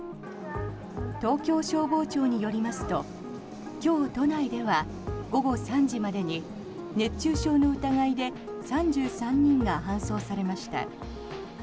東京消防庁によりますと今日、都内では午後３時までに熱中症の疑いで３３人が搬送されました。